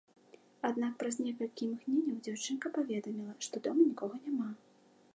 Аднак праз некалькі імгненняў дзяўчынка паведаміла, што дома нікога няма.